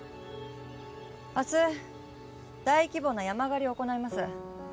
明日大規模な山狩りを行います。